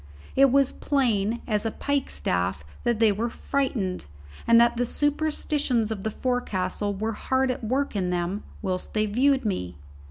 It was plain as a pikestaff that they were frightened, and that the superstitions of the forecastle were hard at work in them whilst they viewed me.